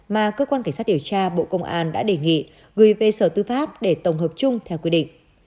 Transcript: mà cơ quan cảnh sát điều tra bộ công an đã đề nghị gửi về sở tư pháp để tổng hợp chung theo quy định